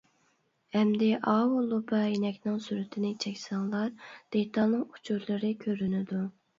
ئەمدى ئاۋۇ لوپا ئەينەكنىڭ سۈرىتىنى چەكسەڭلار دېتالنىڭ ئۇچۇرلىرى كۆرۈنىدۇ.